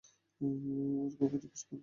আর কাকে জিজ্ঞেস করব আমি?